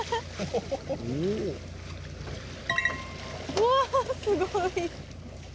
うわすごい。ね！